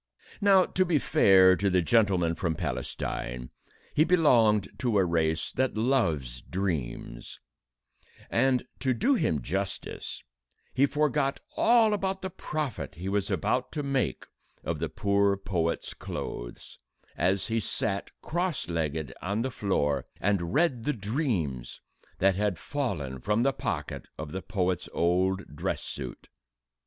Now, to be fair to the gentleman from Palestine, he belonged to a race that loves dreams, and, to do him justice, he forgot all about the profit he was to make of the poor poet's clothes, as he sat, cross legged, on the floor, and read the dreams that had fallen from the pocket of the poet's old dress suit.